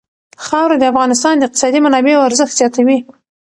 خاوره د افغانستان د اقتصادي منابعو ارزښت زیاتوي.